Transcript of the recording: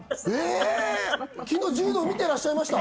昨日、柔道見てらっしゃいました？